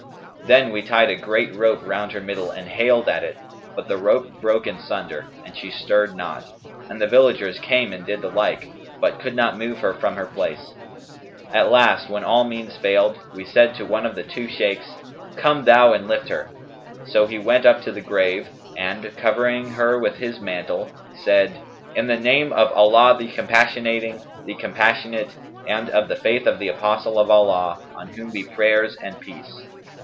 Then we tied a great rope round her middle and haled at it; but the rope broke in sunder, and she stirred not; and the villagers came and did the like, but could not move her from her place.[FN#210] At last, when all means failed, we said to one of the two Shaykhs, 'Come thou and lift her.' So he went up to the grave and, covering her with his mantle, said, 'In the name of Allah the Compassionating, the Compassionate, and of the Faith of the Apostle of Allah, on whom be prayers and peace!'